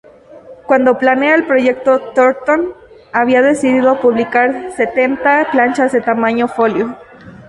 Cuando planea el proyecto, Thornton había decidido publicar setenta planchas de tamaño folio.